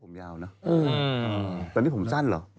ถ้าถามว่าคิมฮึงไหมได้คิมถึงแต่ไม่ได้ไร้สาระค่ะ